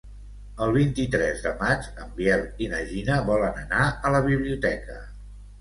El vint-i-tres de maig en Biel i na Gina volen anar a la biblioteca.